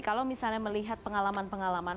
kalau misalnya melihat pengalaman pengalaman